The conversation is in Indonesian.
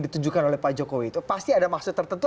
ditunjukkan oleh pak jokowi itu pasti ada maksud tertentu